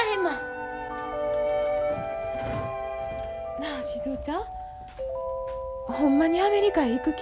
なあ静尾ちゃんほんまにアメリカへ行く気？